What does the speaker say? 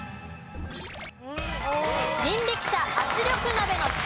人力車圧力鍋の「力」が正解。